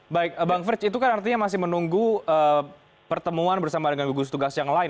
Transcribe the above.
baik bang frits itu kan artinya masih menunggu pertemuan bersama dengan gugus tugas yang lain